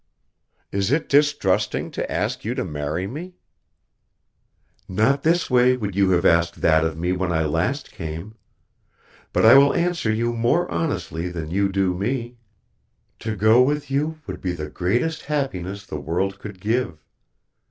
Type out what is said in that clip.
"Is it distrusting you to ask you to marry me?" "Not this way would you have asked that of me when I last came! But I will answer you more honestly than you do me. To go with you would be the greatest happiness the world could give.